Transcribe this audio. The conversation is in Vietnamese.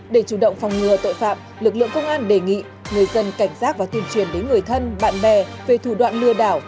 để chủ động phòng ngừa tội phạm lực lượng công an đề nghị người dân cảnh giác và tuyên truyền đến người thân bạn bè về thủ đoạn lừa đảo